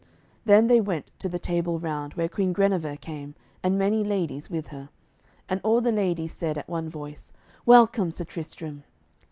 Then they went to the Table Round, where Queen Guenever came, and many ladies with her, and all the ladies said at one voice, "Welcome, Sir Tristram."